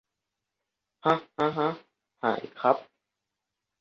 หะหะหะหายครับ